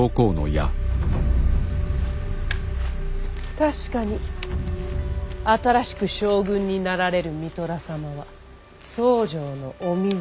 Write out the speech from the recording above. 確かに新しく将軍になられる三寅様は僧正のお身内。